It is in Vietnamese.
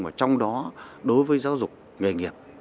và trong đó đối với giáo dục nghề nghiệp